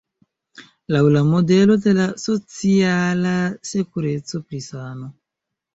Laŭ la modelo de la "Sociala Sekureco" pri sano.